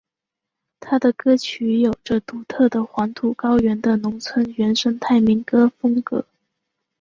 他的歌曲有着独特的黄土高原的农村原生态民歌风格。